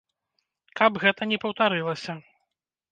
Каб гэта не паўтарылася.